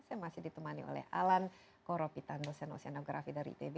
saya masih ditemani oleh alan koropitan dosen oseanografi dari itb